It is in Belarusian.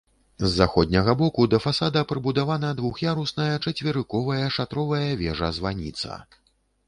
З заходняга боку да фасада прыбудавана двух'ярусная чацверыковая шатровая вежа-званіца.